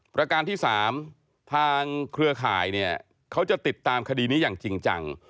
ประการที่๓ทางเครือข่ายเนี่ยเขาจะติดตามคดีนี้อย่างจริงจัง